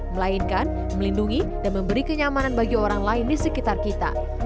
melainkan melindungi dan memberi kenyamanan bagi orang lain di sekitar kita